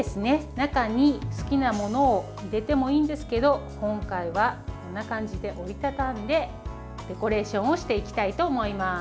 中に好きなものを入れてもいいんですけど今回はこんな感じで折りたたんでデコレーションをしていきたいと思います。